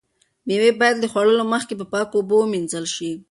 مېوې باید له خوړلو مخکې په پاکو اوبو ومینځل شي.